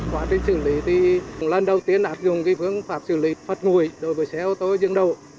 cái xử lý thì lần đầu tiên đã dùng cái phương pháp xử lý phạt nguội đối với xe ô tô dừng đỗ